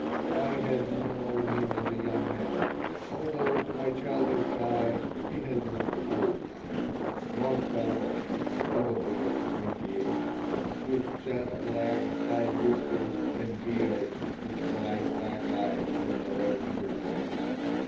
I had known him as a young man, although to my childish eye he had looked old a strong fellow, probably of twenty eight, with jet black side whiskers and beard, with bright, black eyes and alert movements.